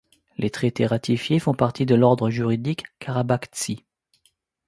Les traités ratifiés font partie de l'ordre juridique karabaghtsi.